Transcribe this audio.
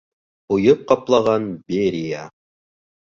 Һуйып ҡаплаған Берия.